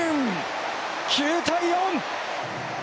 ９対４！